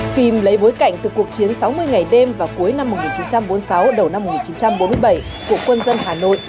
phim lấy bối cảnh từ cuộc chiến sáu mươi ngày đêm và cuối năm một nghìn chín trăm bốn mươi sáu đầu năm một nghìn chín trăm bốn mươi bảy của quân dân hà nội